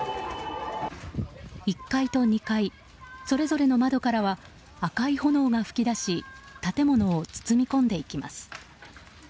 １階と２階それぞれの窓からは赤い炎が噴き出し建物を包み込んでいきます。